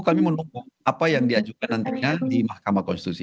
kami menunggu apa yang diajukan nantinya di mahkamah konstitusi